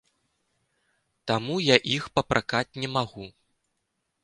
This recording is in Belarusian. Таму я іх папракаць не магу.